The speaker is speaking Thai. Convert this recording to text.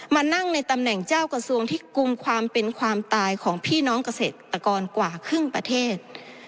มานั่งในตำแหน่งเจ้ากระทรวงที่กลุ่มความเป็นความตายของพี่น้องเกษตรกรกว่าครึ่งประเทศ